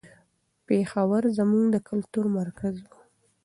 پېښور زموږ د کلتور مرکز و.